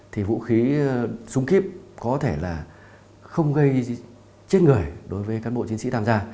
thì vũ khí súng kíp có thể là không gây chết người đối với cán bộ chiến sĩ tham gia